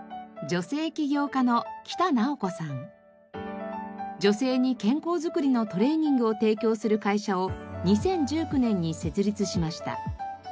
女性に健康づくりのトレーニングを提供する会社を２０１９年に設立しました。